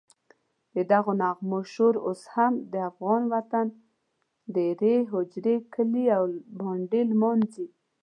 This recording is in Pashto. ددغو نغمو شور اوس هم د افغان وطن دېرې، هوجرې، کلي او بانډې نمانځي.